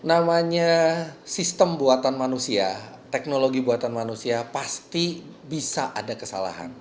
namanya sistem buatan manusia teknologi buatan manusia pasti bisa ada kesalahan